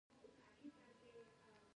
هیواد مې د ځوان نسل امید دی